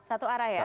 satu arah ya